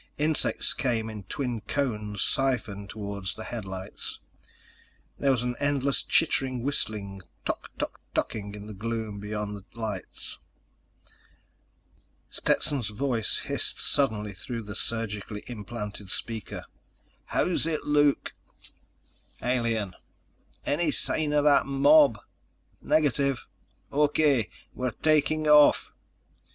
Insects came in twin cones, siphoned toward the headlights. There was an endless chittering whistling tok tok toking in the gloom beyond the lights. Stetson's voice hissed suddenly through the surgically implanted speaker: "How's it look?" "Alien." "Any sign of that mob?" "Negative." "O.K. We're taking off."